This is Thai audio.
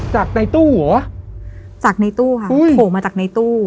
จากในตู้เหรอจากในตู้ค่ะโผล่มาจากในตู้